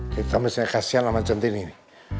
kita mesti kasihan sama centini